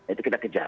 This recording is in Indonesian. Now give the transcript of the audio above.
itu kita kejar